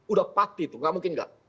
udah pasti tuh nggak mungkin nggak